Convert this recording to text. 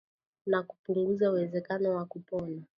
na kupunguza uwezekano wa kupona